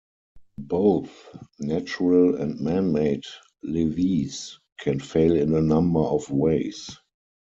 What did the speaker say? Both natural and man-made levees can fail in a number of ways.